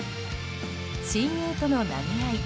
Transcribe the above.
親友との投げ合い。